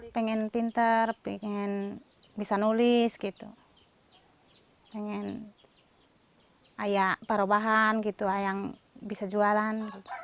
pengen pinter pengen bisa nulis gitu pengen ayah para bahan gitu ayam bisa jualan